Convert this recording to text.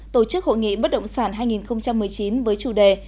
tổ chức hội nghị bất động sản hai nghìn một mươi chín với chủ đề